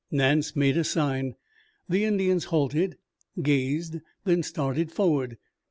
Nance made a sign. The Indians halted, gazed, then started forward.